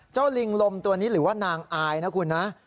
ลิงลมตัวนี้หรือว่านางอายนะคุณนะ